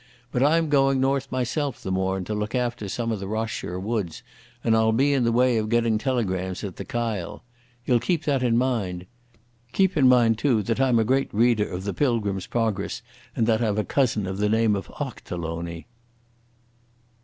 But I'm going north myself the morn to look after some of the Ross shire wuds, and I'll be in the way of getting telegrams at the Kyle. Ye'll keep that in mind. Keep in mind, too, that I'm a great reader of the Pilgrim's Progress and that I've a cousin of the name of Ochterlony."